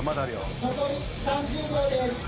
残り３０秒です